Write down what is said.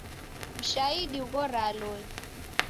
Mshaidi ughoraa loli.